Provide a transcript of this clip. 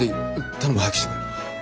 頼む早くしてくれ。